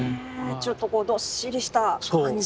ちょっとこうどっしりした感じ。